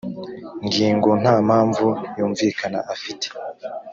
ngingo nta mpamvu yumvikana afite